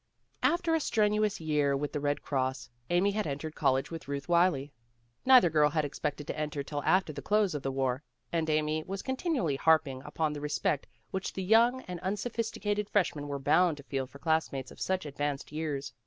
After a strenuous year with the Ked Cross, Amy had entered college with Euth Wylie. Neither girl had expected to enter till after the close of the war, and Amy was continually harping upon the respect which the young and unsophisticated Freshmen were bound to feel for classmates of such advanced years.